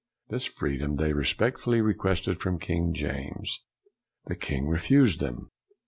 This freedom they respectfully requested from King James. The king refused them.